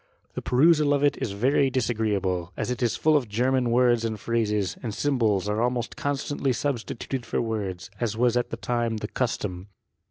The perusal of it is very disagreeable, as it is full of German words and phrases, and symbols are almost constantly substituted for words, as was at that time the custom.